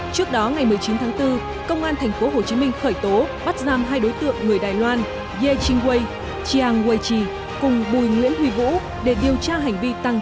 trước đó ngày một mươi chín tháng bốn công an tp hcm khởi tố bắt giam hai đối tượng người đài loan ye ching wei chiang wei chi cùng bùi nguyễn huy vũ để điều tra hành vi tăng trị